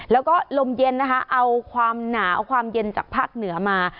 แล้วก็ลมเย็นนะคะเอาความหนาวเอาความเย็นจากภาคเหนือมา